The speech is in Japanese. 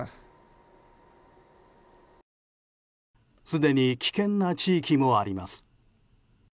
すでに危険な地域もあります。